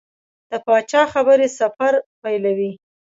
د پاچا خبرې سفر پیلوي.